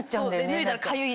脱いだらかゆい。